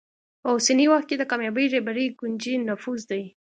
په اوسني وخت کې د کامیابې رهبرۍ کونجي نفوذ دی.